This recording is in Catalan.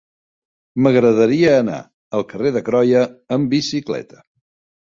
M'agradaria anar al carrer de Croia amb bicicleta.